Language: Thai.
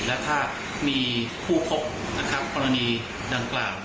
แล้วถ้ามีผู้พบกรณีดังกล่าว